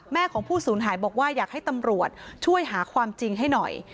แม่ของผู้สูญหายบอกว่าอยากให้ตำรวจช่วยหาความจริงให้หน่อย